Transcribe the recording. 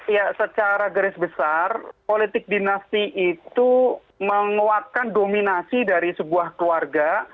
ya secara garis besar politik dinasti itu menguatkan dominasi dari sebuah keluarga